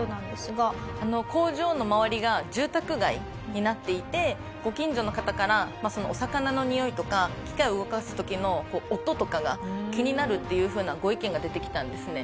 工場の周りが住宅街になっていてご近所の方からお魚のにおいとか機械を動かす時の音とかが気になるっていう風なご意見が出てきたんですね。